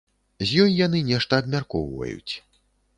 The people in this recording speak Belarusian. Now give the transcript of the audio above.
З ёй яны нешта абмяркоўваюць.